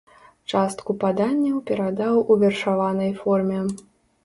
Частку паданняў перадаў у вершаванай форме.